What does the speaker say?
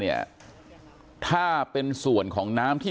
พี่ขอไปร้องข้างในก่อน